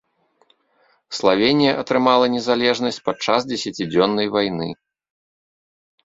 Славенія атрымала незалежнасць падчас дзесяцідзённай вайны.